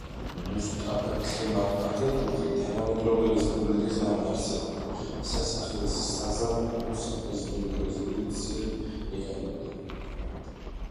მუსტაფა ქემალ ათათურქი, თანამედროვე რესპუბლიკის დამაარსებელი, სასახლეს საზაფხულო საპრეზიდენტო რეზიდენციად იყენებდა.